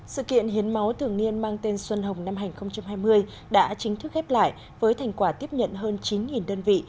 sự kiện hiến máu thường niên mang tên xuân hồng năm hai nghìn hai mươi đã chính thức khép lại với thành quả tiếp nhận hơn chín đơn vị